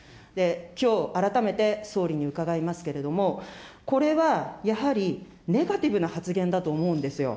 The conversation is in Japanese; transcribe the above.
きょう改めて総理に伺いますけれども、これはやはりネガティブな発言だと思うんですよ。